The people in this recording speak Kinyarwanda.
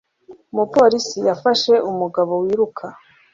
Umupolisi yafashe umugabo wiruka.